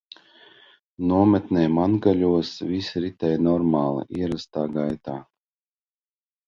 Nometnē Mangaļos viss ritēja normālā, ierastā gaitā.